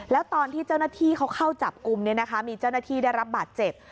แล้วตอนที่เจ้าหน้าที่เขาเข้าจับกลุ่มมีเจ้าหน้าที่ได้รับบาดเจ็บ